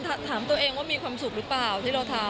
ถามตัวเองว่ามีความสุขหรือเปล่าที่เราทำ